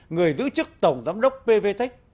người giữ chức tổng giám đốc pv tech